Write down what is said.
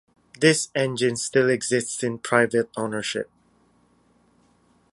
This engine still exists in private ownership.